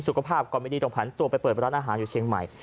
ก็ไม่ดีต้องผันตัวไปเปิดร้านอาหารอยู่เชียงใหม่